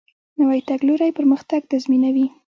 نوی تګلوری پرمختګ تضمینوي